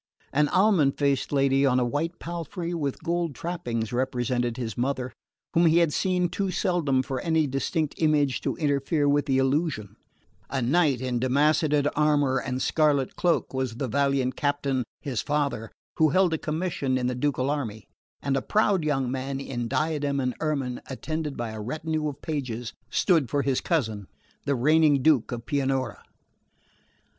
An almond faced lady on a white palfrey with gold trappings represented his mother, whom he had seen too seldom for any distinct image to interfere with the illusion; a knight in damascened armour and scarlet cloak was the valiant captain, his father, who held a commission in the ducal army; and a proud young man in diadem and ermine, attended by a retinue of pages, stood for his cousin, the reigning Duke of Pianura.